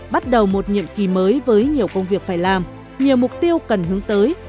bắt đầu một nhiệm kỳ mới với nhiều công việc phải làm nhiều mục tiêu cần hướng tới